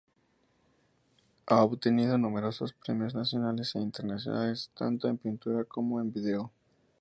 Ha obtenido numerosos premios nacionales e internacionales, tanto en pintura como en video.